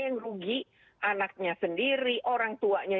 yang rugi anaknya sendiri orang tuanya